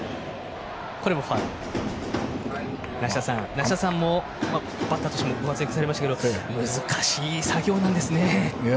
梨田さんもバッターとしてご活躍されましたが難しい作業なんですね。